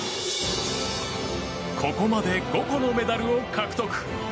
ここまで５個のメダルを獲得。